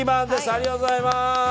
ありがとうございます。